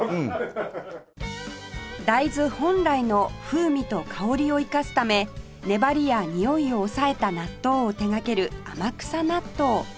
大豆本来の風味と香りを生かすため粘りやにおいを抑えた納豆を手がける天草納豆